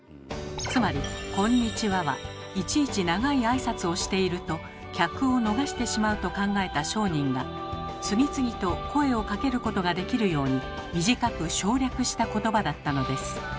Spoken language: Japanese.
つまり「こんにちは」はいちいち長い挨拶をしていると客を逃してしまうと考えた商人が次々と声をかけることができるように短く省略したことばだったのです。